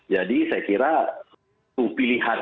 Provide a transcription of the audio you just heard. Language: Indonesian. jadi saya kira itu pilihan